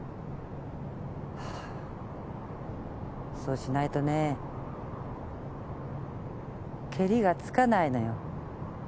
そうしないとねケリがつかないのよ。